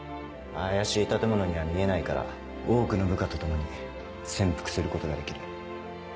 怪しい建物には見えないから多くの部下と共に潜伏することができる。